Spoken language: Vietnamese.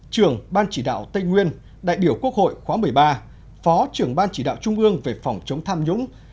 trưởng ban chỉ đạo tây nguyên đại biểu quốc hội khóa một mươi ba phó trưởng ban chỉ đạo trung ương về phòng chống tham nhũng